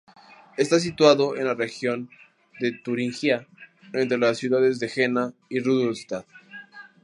Está situado en la región de Turingia, entre las ciudades de Jena y Rudolstadt.